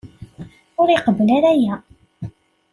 Ur iqebbel ara aya.